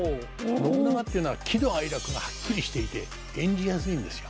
信長っていうのは喜怒哀楽がはっきりしていて演じやすいんですよ。